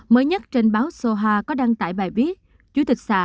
mới nhất trên báo soha có đăng tải bài viết